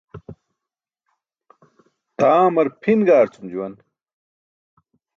Taamar pʰin gaarcum juwan.